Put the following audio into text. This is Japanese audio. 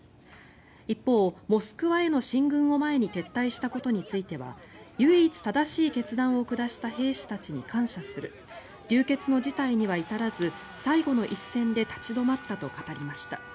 一方、モスクワへの進軍を前に撤退したことについては唯一正しい決断を下した兵士たちに感謝する流血の事態には至らず最後の一線で立ち止まったと語りました。